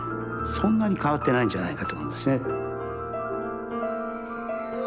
そんなに変わってないんじゃないかと思うんですね。